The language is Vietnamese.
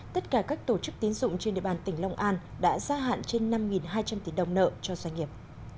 tất cả các tổ chức tín dụng trên địa bàn tỉnh long an đã gia hạn trên năm hai trăm linh tỷ đồng nợ cho doanh nghiệp